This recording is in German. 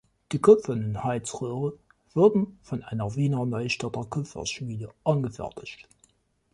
Die kupfernen Heizrohre wurden von einer Wiener Neustädter Kupferschmiede angefertigt.